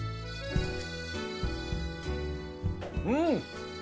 うん！